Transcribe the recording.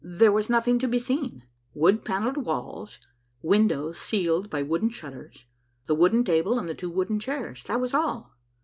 There was nothing to be seen. Wood panelled walls; windows sealed by wooden shutters; the wooden table and the two wooden chairs; that was all.